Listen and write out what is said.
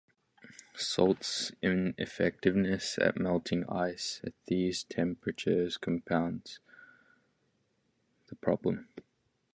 Salt's ineffectiveness at melting ice at these temperatures compounds the problem.